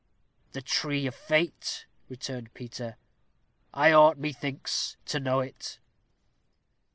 "The tree of fate," returned Peter. "I ought, methinks, to know it."